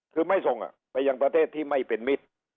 คือไม่ส่งไปยังประเทศที่ไม่เป็นมิตร